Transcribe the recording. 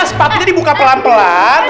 sepatunya dibuka pelan pelan